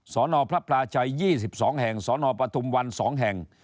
สนพระพลาชัย๒๒แห่งสนปฐุมวัน๒แห่ง